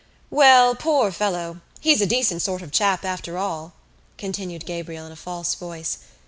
"Well, poor fellow, he's a decent sort of chap after all," continued Gabriel in a false voice.